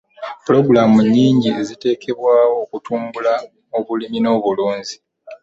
pulogulaamu nnyingi eziteekebwayo okutumbula obulungi n'obulunzi